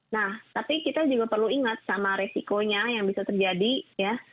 nah tapi kita juga perlu ingat sama resikonya yang bisa terjadi ya